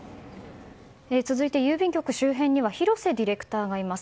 続いて郵便局周辺には広瀬ディレクターがいます。